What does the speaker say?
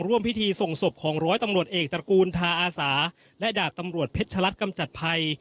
ร่วมพิธีส่งศพของร้อยตำรวจเอกตระกูลทาอาสาและดาบตำรวจเพชรชะลัดกำจัดภัย